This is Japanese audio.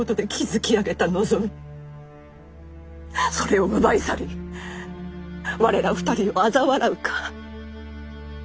それを奪い去り我ら２人をあざ笑うか。